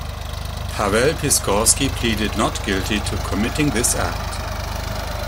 Pawel Piskorski pleaded not guilty to committing this act.